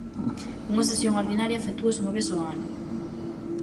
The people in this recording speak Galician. Unha sesión ordinaria efectúase unha vez ó ano.